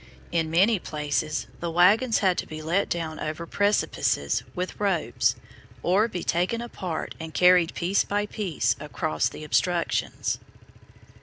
In many places the wagons had to be let down over precipices with ropes, or be taken apart and carried piece by piece around the obstructions.